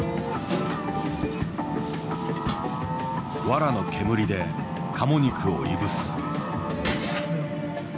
わらの煙でカモ肉をいぶす。